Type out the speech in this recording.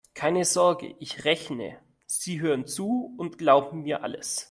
Keine Sorge: Ich rechne, Sie hören zu und glauben mir alles.